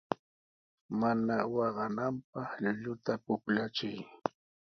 Mana waqananpaq llulluta pukllachiy.